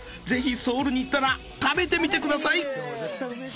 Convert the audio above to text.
ぜひソウルに行ったら食べてみてください！